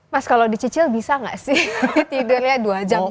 mas kalau dicicil bisa nggak sih tidurnya dua jam